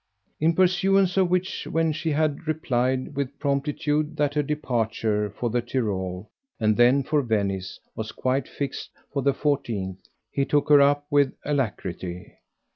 In pursuance of which, when she had replied with promptitude that her departure for the Tyrol and then for Venice was quite fixed for the fourteenth, he took her up with alacrity.